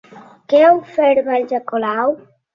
Què ha ofert Valls a Colau?